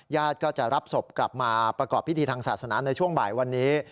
ก็จะรับศพกลับมาประกอบพิธีทางศาสนาในช่วงบ่ายวันนี้